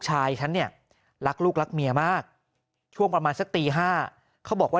ฉันเนี่ยรักลูกรักเมียมากช่วงประมาณสักตี๕เขาบอกว่า